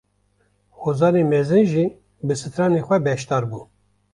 Hozanê mezin jî bi stranên xwe beşdar bû